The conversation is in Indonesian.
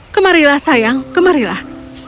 kemarilah sayang kemarilah